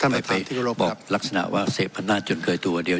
ไปเอาไปบอกลักษณะว่าเสพติดอำนาจจนเคยตั๋วเดียว